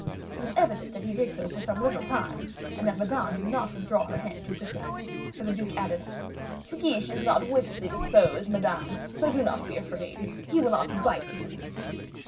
It was evident that he did so for some little time, and that Madame did not withdraw her hand too quickly, for the duke added: "De Guiche is not wickedly disposed, Madame; so do not be afraid, he will not bite you."